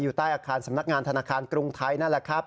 ใต้อาคารสำนักงานธนาคารกรุงไทยนั่นแหละครับ